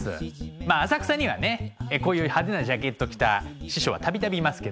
まあ浅草にはねこういう派手なジャケット着た師匠は度々いますけど。